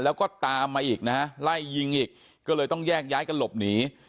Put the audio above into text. แล้วก็ตามมาอีกนะฮะไล่ยิงอีกก็เลยต้องแยกย้ายกันหลบหนี